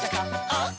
「あっ！